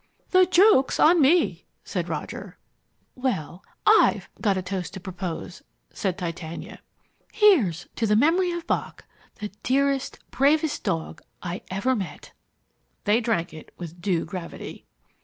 "The joke is on me," said Roger. "Well, I'VE got a toast to propose," said Titania. "Here's to the memory of Bock, the dearest, bravest dog I ever met!" They drank it with due gravity.